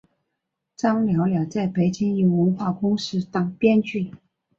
张寥寥在北京一文化公司当编剧。